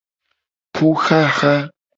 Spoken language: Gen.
Puxaxa.